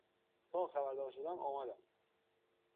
تا خبردار شدم آمدم.